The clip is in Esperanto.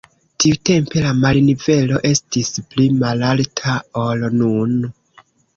Tiutempe la marnivelo estis pli malalta ol nun.